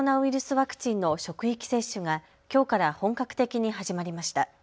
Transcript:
ワクチンの職域接種が、きょうから本格的に始まりました。